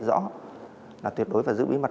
rõ là tuyệt đối phải giữ bí mật